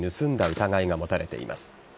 疑いが持たれています。